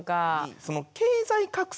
その経済格差。